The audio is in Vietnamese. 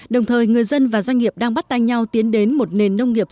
đồng thời người dân và doanh nghiệp đang bắt tay nhau tiến đến một nền nông nghiệp